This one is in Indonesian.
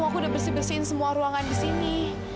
aku udah bersih bersihin semua ruangan disini